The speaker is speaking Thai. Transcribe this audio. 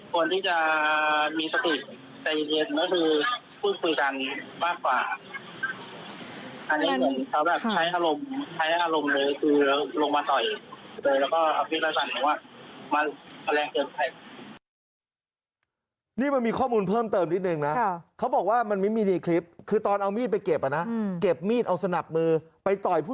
ผมคิดว่าใช้รถเครื่องของคุณใจเย็นเพราะว่ารถมันก็ขึ้นตัวช้าเราก็ไม่รู้ว่าก่อนหน้านั้นมันจะมีผ่านอะไรกันมาก่อนหรือเปล่า